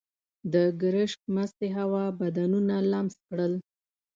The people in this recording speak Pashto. د ګرشک مستې هوا بدنونه لمس کړل.